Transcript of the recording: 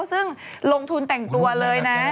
ซึ่งลงทุนแต่งตัวเลยนะ